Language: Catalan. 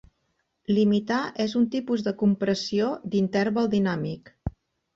Limitar és un tipus de compressió d'interval dinàmic.